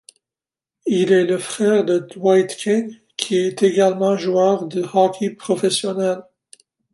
Il est le frère de Dwight King, qui est également joueur de hockey professionnel.